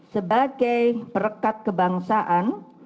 sebagai perekat kebangsaan